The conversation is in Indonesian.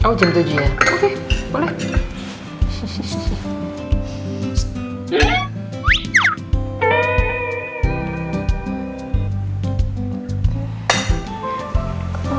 oh jam tujuh dia oke boleh